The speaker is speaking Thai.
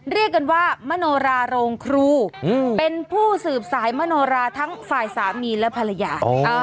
เรียกกันว่ามโนราโรงครูเป็นผู้สืบสายมโนราทั้งฝ่ายสามีและภรรยา